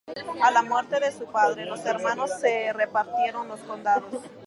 A la muerte de su padre, los hermanos se repartieron los condados.